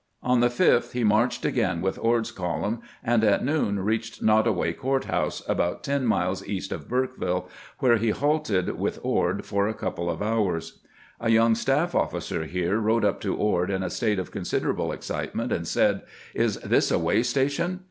On the 5th he marched again with Ord's column, and at noon reached Nottoway Court house, about ten miles east of BurkeviUe, where he halted with Ord for a couple of hours. A young staff officer here rode up to Ord in a state of considerable excitement, and said :" Is this a way station